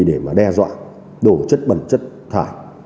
để mà đe dọa đổ chất bẩn chất thải